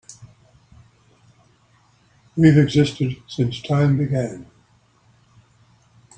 We've existed since time began.